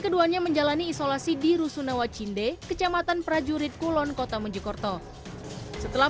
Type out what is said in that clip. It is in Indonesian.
keduanya menjalani isolasi di rusunawa cinde kecamatan prajurit kulon kota mojokerto setelah